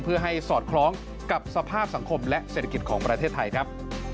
เพื่อให้สอดคล้องกับสภาพสังคมและเศรษฐกิจของประเทศไทยครับ